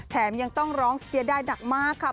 แถมยังต้องร้องเสียดายหนักมากค่ะ